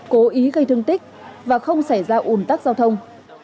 cố ý gây thương tích và không xảy ra ủn tắc giao thông